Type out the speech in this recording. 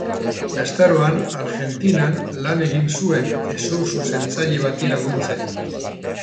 Gaztaroan Argentinan lan egin zuen, hezur-zuzentzaile bati laguntzen.